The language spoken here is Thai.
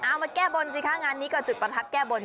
เอามาแก้บนสิคะงานนี้ก็จุดประทัดแก้บน